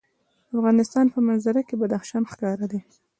د افغانستان په منظره کې بدخشان ښکاره ده.